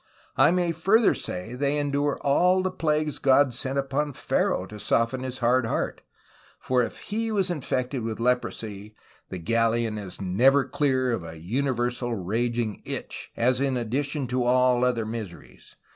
I may further say they endure all the plagues God sent upon Pharaoh to soften his hard heart; for if he was infected with leprosy, the galeon is never clear of an universal raging itch, as an addition to all other miseries.